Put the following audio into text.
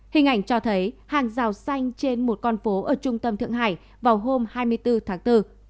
hình ảnh cho thấy hàng rào xanh trên một con phố ở trung tâm thượng hải vào hôm hai mươi bốn tháng bốn